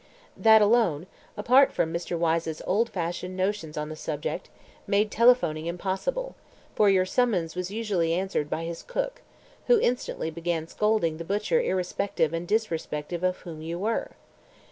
That alone, apart from Mr. Wyse's old fashioned notions on the subject, made telephoning impossible, for your summons was usually answered by his cook, who instantly began scolding the butcher irrespective and disrespectful of whom you were.